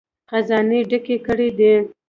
خزانې یې ډکې کړې دي.